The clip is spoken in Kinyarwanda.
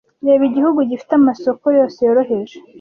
reba igihugu gifite amasoko yose yoroheje